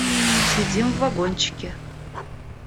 Сидим в вагончике.